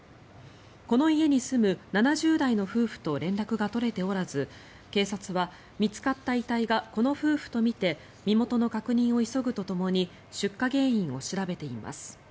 この家に住む７０代の夫婦と連絡が取れておらず警察は見つかった遺体がこの夫婦とみて身元の確認を急ぐとともに出火原因を調べています。